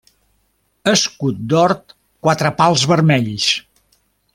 Escut d'or, quatre pals vermells.